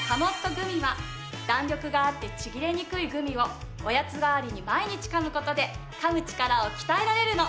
グミ」は弾力があってちぎれにくいグミをおやつ代わりに毎日噛む事で噛むチカラを鍛えられるの。